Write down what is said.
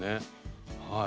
はい。